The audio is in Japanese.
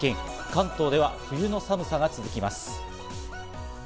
関東では冬の寒さが続きます。